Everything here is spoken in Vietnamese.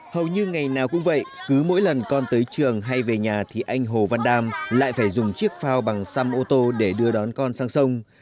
hầu như ngày nào cũng vậy cứ mỗi lần con tới trường hay về nhà thì anh hồ văn đam lại phải dùng chiếc phao bằng xăm ô tô để đưa đón con sang sông